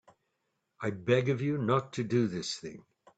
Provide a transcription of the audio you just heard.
I beg of you not to do this thing.